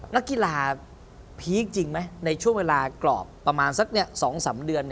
นักกีฬาพีคจริงไหมในช่วงเวลากรอบประมาณสัก๒๓เดือน